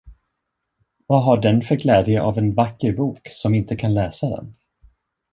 Vad har den för glädje av en vacker bok, som inte kan läsa den.